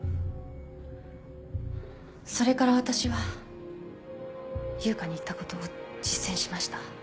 それから私は悠香に言ったことを実践しました。